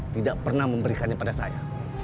tidak pernah memberikannya pada saya